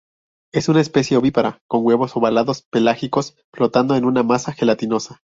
Es una especie ovípara, con huevos ovalados pelágicos flotando en una masa gelatinosa.